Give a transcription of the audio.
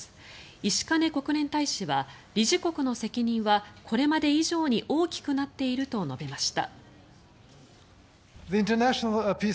石兼国連大使は理事国の責任はこれまで以上に大きくなっていると述べました。